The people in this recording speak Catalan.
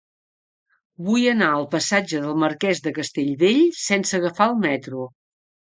Vull anar al passatge del Marquès de Castellbell sense agafar el metro.